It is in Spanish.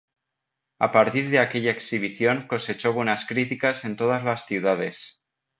A partir de aquella exhibición cosechó buenas críticas en todas las ciudades.